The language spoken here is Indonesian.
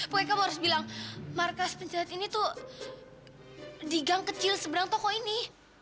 pokoknya kamu harus bilang markas pencehat ini tuh di gang kecil seberang toko ini